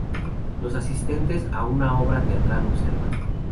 Los asistentes a una obra teatral observan.